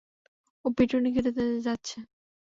ও পিটুনি খেতে যাচ্ছে।